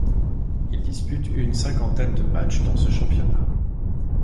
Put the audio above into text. Il dispute une cinquantaine de matchs dans ce championnat.